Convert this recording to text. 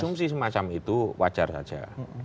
asumsi semacam itu wajar saja